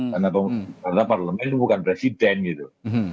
karena rata parlemen itu bukan presiden gitu